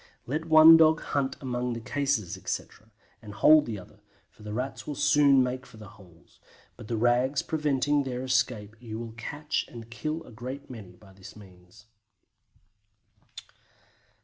Let one dog hunt among the cases, etc., and hold the other, for the Rats will soon make for the holes, but the rags preventing their escape you will catch and kill a great many by this means.